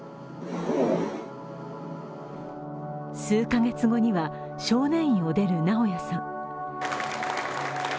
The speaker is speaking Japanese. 数カ月後には少年院を出る直也さん。